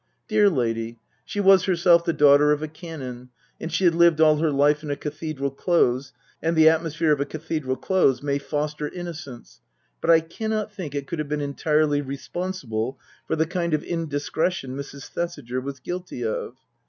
Dear lady, she was herself the daughter of a Canon, and she had lived all her life in a cathedral close, and the atmosphere of a cathedral close may foster innocence, but I cannot think it could have been entirely responsible for the kind of indiscretion Mrs. Thesiger was guilty of.